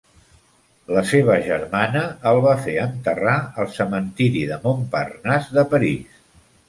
La seva germana el va fer enterrar al cementiri de Montparnasse de París.